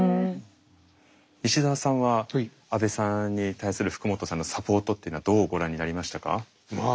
西澤さんは阿部さんに対する福本さんのサポートっていうのはどうご覧になりましたか？